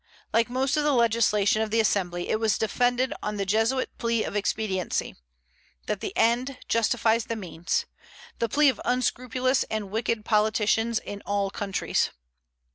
Like most of the legislation of the Assembly, it was defended on the Jesuit plea of expediency, that the end justifies the means; the plea of unscrupulous and wicked politicians in all countries.